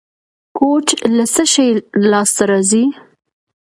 کوچ له څه شي لاسته راځي؟